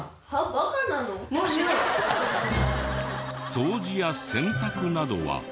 掃除や洗濯などは。